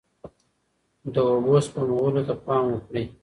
د اوبو سپمولو ته پام وکړئ.